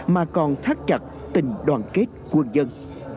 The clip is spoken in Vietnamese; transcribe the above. mà còn thắt chặt tình đoàn kết quân dân